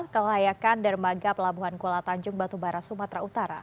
kelayakan dermaga pelabuhan kuala tanjung batubara sumatera utara